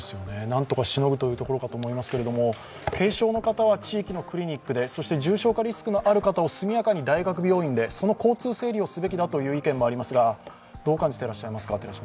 なんとかしのぐというところだと思いますけれども軽症の方は地域のクリニックでそして重症化リスクのある方を速やかに大学病院で、その交通整理をすべきだという意見もありますがどう感じてらっしゃいますか？